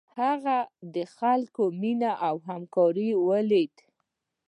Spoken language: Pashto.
هغه د خلکو مینه او همکاري ولیده.